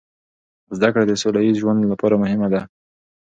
زده کړه د سوله ییز ژوند لپاره مهمه ده.